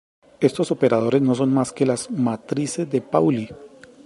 Estos operadores no son más que las matrices de Pauli.